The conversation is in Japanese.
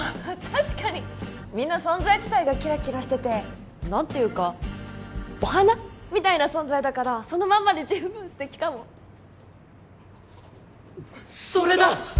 確かにみんな存在自体がキラキラしてて何ていうかお花みたいな存在だからそのまんまで十分素敵かもそれだ！